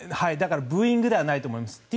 だからブーイングでもないと思います。